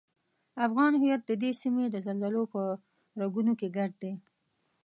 افغان هویت ددې سیمې د زلزلو په رګونو کې ګډ دی.